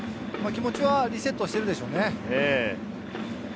気持ちはリセットしてるでしょうね。